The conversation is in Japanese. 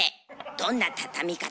どんなたたみ方？